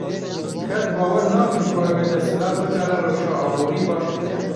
Xelk bawer nakin ku ew ê desthilat bikare rewşa aborî baş bike.